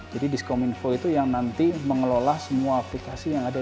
jadi diskominfo itu yang nanti mengelola semua aplikasi yang ada